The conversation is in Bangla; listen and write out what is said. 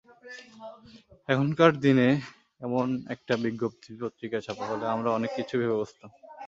এখনকার দিনে এমন একটা বিজ্ঞপ্তি পত্রিকায় ছাপা হলে আমরা অনেক কিছুই ভেবে বসতাম।